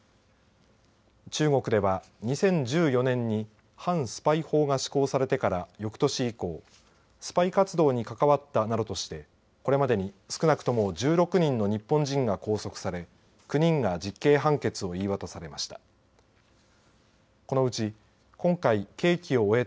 中国では２０１４年に反スパイ法が施行されてから翌年以降スパイ活動に関わったなどとしてこれまでに少なくとも１６人の日本人が拘束され９人が実刑判決を言い渡されました。